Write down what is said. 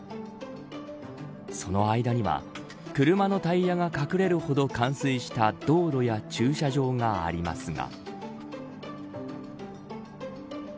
その間には車のタイヤが隠れるほど冠水した道路や駐車場がありますが。